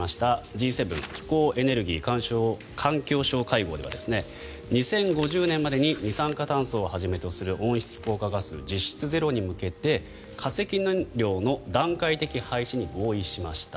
Ｇ７気候・エネルギー・環境相会合では２０５０年までに二酸化炭素をはじめとする温室効果ガス実質ゼロに向けて化石燃料の段階的廃止に合意しました。